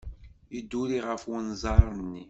Yedduri ɣef unẓar-nni.